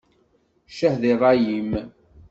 Ccah di ṛṛay-im!